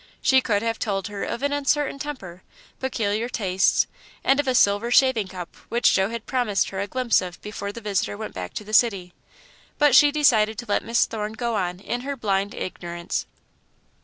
She could have told her of an uncertain temper, peculiar tastes, and of a silver shaving cup which Joe had promised her a glimpse of before the visitor went back to the city; but she decided to let Miss Thorne go on in her blind ignorance.